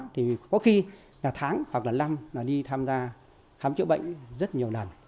thì có khi là tháng hoặc là năm là đi tham gia khám chữa bệnh rất nhiều lần